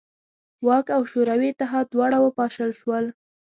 واک او شوروي اتحاد دواړه وپاشل شول.